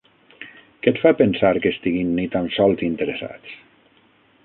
Què et fa pensar que estiguin ni tan sols interessats?